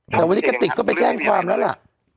แต่วันนี้กระติกก็ไปแจ้งความแล้วล่ะ